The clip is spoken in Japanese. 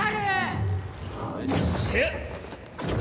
よっしゃ！